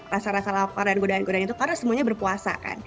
rasa rasa lapar dan godaan godaan itu karena semuanya berpuasa kan